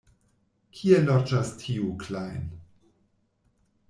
Kie loĝas tiu Klajn?